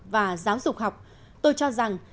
và giáo dục học tôi cho rằng